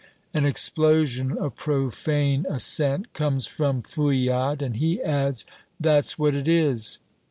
An explosion of profane assent comes from Fouillade, and he adds, "That's what it is!"